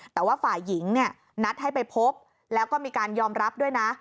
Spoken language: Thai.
แต่ว่าฝ่ายหญิงเนี่ยนัดให้ไปพบแล้วก็มีการยอมรับด้วยนะ